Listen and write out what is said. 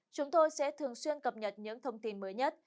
chúng tôi sẽ thường xuyên cập nhật những thông tin mới nhất